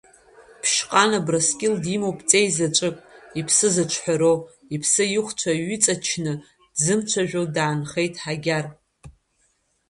Ԥшьҟан Абрскьыл димоуп ҵеи заҵәык, иԥсы зыҿҳәароу, иԥсы ихәцәа иҩыҵачны дзымцәажәо даанхеит Ҳагьар.